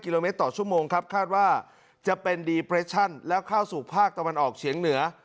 กิโลเมตรต่อชั่วโมงครับคาดว่าจะเป็นดีเปรชั่นแล้วเข้าสู่ภาคตะวันออกเฉียงเหนือ